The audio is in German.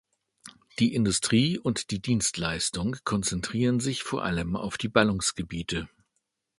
Die Industrie und die Dienstleistung konzentrieren sich vor allem auf die Ballungsgebiete.